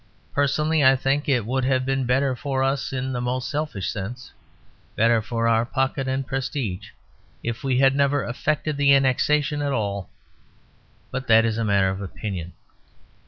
Personally I think that it would have been better for us in the most selfish sense, better for our pocket and prestige, if we had never effected the annexation at all; but that is a matter of opinion.